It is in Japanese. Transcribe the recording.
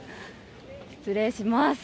失礼します。